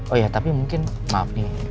oh ya tapi mungkin maaf nih